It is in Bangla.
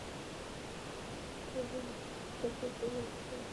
এ চুক্তির মাধ্যমে তুমি নিজেদের নিরাপত্তা ও মর্যাদা ভূলুণ্ঠিত করেছ।